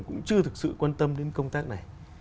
cũng chưa thực sự quan tâm đến công tác này